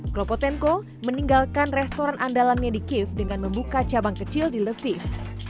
klopotenko meninggalkan restoran andalannya di kiev dengan membuka cabang kecil di leviv